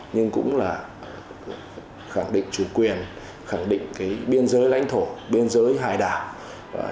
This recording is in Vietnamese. nhưng cũng là khẳng định chủ quyền khẳng định cái biên giới lãnh thổ biên giới hải đảo